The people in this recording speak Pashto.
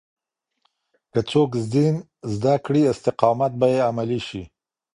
که څوک دين زده کړي، استقامت به يې عملي شي.